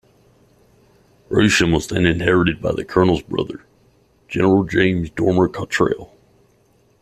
Rousham was then inherited by the Colonel's brother, General James Dormer-Cottrell.